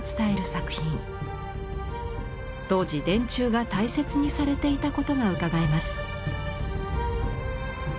当時電柱が大切にされていたことがうかがえます。